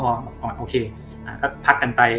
บอกโอเคพักกันไป